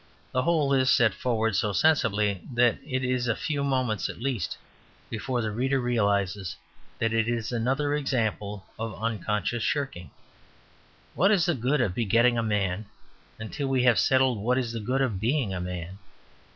The whole is set forward so sensibly that it is a few moments at least before the reader realises that it is another example of unconscious shirking. What is the good of begetting a man until we have settled what is the good of being a man?